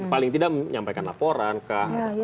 paling tidak menyampaikan laporan ke